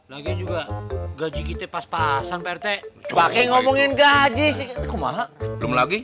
lagi juga gaji kita pas pasan prt pakai ngomongin gaji sikit belum lagi